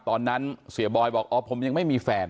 ตอนนั้นเสียบอยบอกอ๋อผมยังไม่มีแฟน